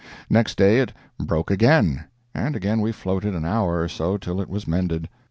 Next day it broke again, and again we floated an hour or so till it was mended.